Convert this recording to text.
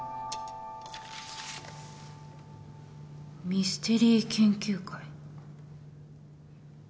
ミステリー研究会。